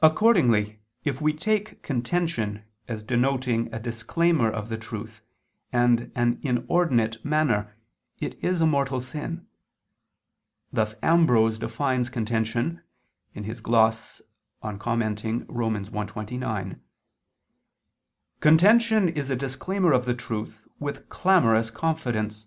Accordingly if we take contention as denoting a disclaimer of the truth and an inordinate manner, it is a mortal sin. Thus Ambrose [*Cf. Gloss. Ord. in Rom. i, 29] defines contention: "Contention is a disclaimer of the truth with clamorous confidence."